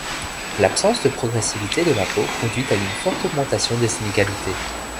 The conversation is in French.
L’absence de progressivité de l’impôt conduit à une forte augmentation des inégalités.